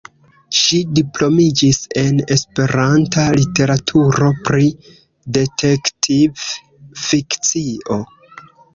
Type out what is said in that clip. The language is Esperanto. Ŝi diplomiĝis en esperanta literaturo pri detektiv-fikcio.